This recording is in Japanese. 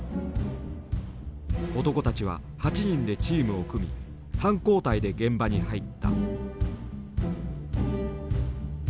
男たちは８人でチームを組み３交代で現場に入った。